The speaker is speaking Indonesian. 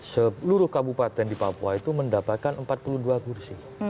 seluruh kabupaten di papua itu mendapatkan empat puluh dua kursi